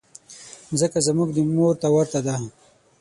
مځکه زموږ مور ته ورته ده.